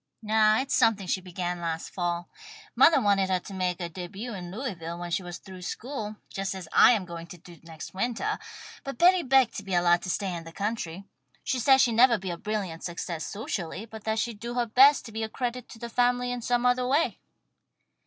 "No, it's something she began last fall. Mothah wanted her to make her début in Louisville when she was through school, just as I am going to do next wintah, but Betty begged to be allowed to stay in the country. She said she'd nevah be a brilliant success socially, but that she'd do her best to be a credit to the family in some other way."